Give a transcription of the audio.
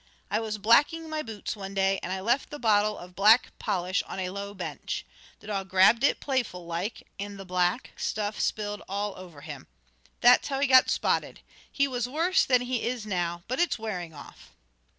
I was blacking my boots one day, and I left the bottle of black polish on a low bench. The dog grabbed it, playful like, and the black stuff spilled all over him. That's how he got spotted. He was worse than he is now, but it's wearing off."